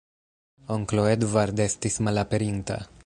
Onklo Edvard estis malaperinta.